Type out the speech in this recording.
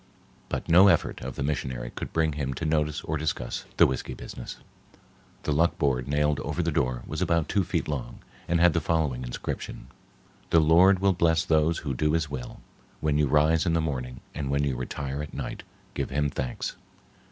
But no effort of the missionary could bring him to notice or discuss the whiskey business. The luck board nailed over the door was about two feet long and had the following inscription: "The Lord will bless those who do his will. When you rise in the morning, and when you retire at night, give him thanks.